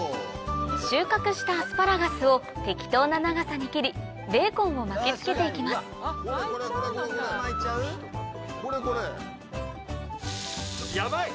収穫したアスパラガスを適当な長さに切りベーコンを巻き付けて行きますヤバい！